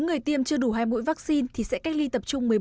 người tiêm chưa đủ hai mũi vaccine thì sẽ cách ly tập trung